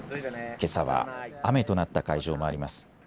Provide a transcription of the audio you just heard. けさは雨となった会場もあります。